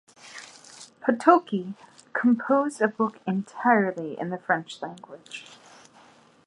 Potocki composed the book entirely in the French language.